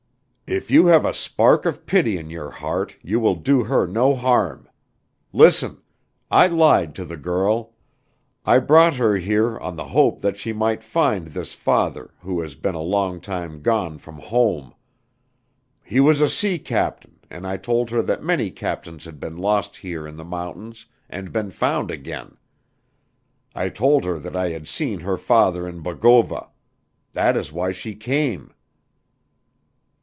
"If you have a spark of pity in your heart, you will do her no harm. Listen! I lied to the girl. I brought her here on the hope that she might find this father who has been a long time gone from home. He was a sea captain and I told her that many captains had been lost here in the mountains and been found again. I told her that I had seen her father in Bogova. That is why she came."